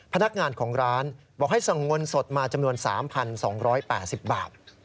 พนักงานของร้านบอกให้สั่งเงินสดมาจำนวน๓๒๘๐บาท